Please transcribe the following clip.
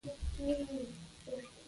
زه د تاریخي نقشو سره مینه لرم.